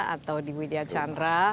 atau di widya chandra